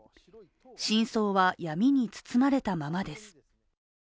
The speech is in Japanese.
真相は闇に包まれたままです。